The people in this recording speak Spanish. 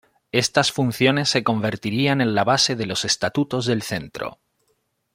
Estas funciones se convertirían en la base de los estatutos del Centro.